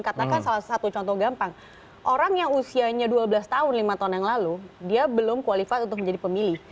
katakan salah satu contoh gampang orang yang usianya dua belas tahun lima tahun yang lalu dia belum qualified untuk menjadi pemilih